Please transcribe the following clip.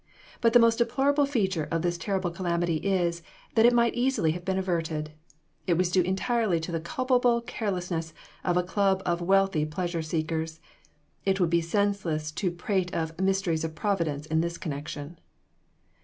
But the most deplorable feature of this terrible calamity is, that it might easily have been averted. It was due entirely to the culpable carelessness of a club of wealthy pleasure seekers. It would be senseless to prate of "mysteries of Providence" in this connection.